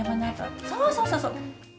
そうそうそうそう。